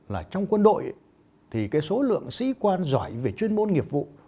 là trong quân đội thì cái số lượng sĩ quan giỏi về chuyên môn nghiệp vụ